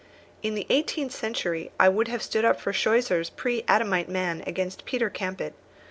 In the eighteenth century I would have stood up for Scheuchzer's pre adamite man against Peter Campet.